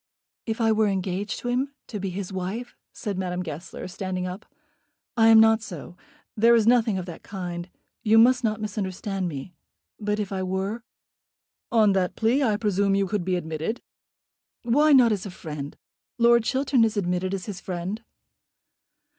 "If I were engaged to him, to be his wife? " said Madame Goesler, standing up. "I am not so. There is nothing of that kind. You must not misunderstand me. But if I were?" "On that plea I presume you could be admitted." "Why not as a friend? Lord Chiltern is admitted as his friend."